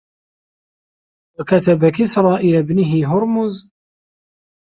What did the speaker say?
وَكَتَبَ كِسْرَى إلَى ابْنِهِ هُرْمُزَ